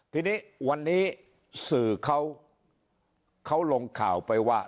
ทีนี้วันนี้สื่อเขาลงข่าวไปว่า